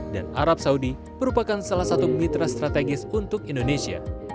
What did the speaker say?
dan arab saudi merupakan salah satu mitra strategis untuk indonesia